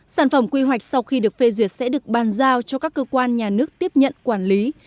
sản phẩm quy hoạch sau khi được phê duyệt sẽ được bàn giao cho các cơ quan nhà nước tiếp nhận quản lý